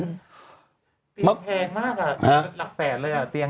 เธอแสนมากด้วยหรือต้องลัดแสนเลยหรือเปลี่ยน